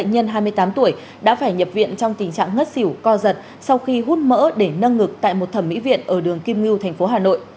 một nữ bệnh nhân hai mươi tám tuổi đã phải nhập viện trong tình trạng ngất xỉu co giật sau khi hút mỡ để nâng ngực tại một thẩm mỹ viện ở đường kim ngưu thành phố hà nội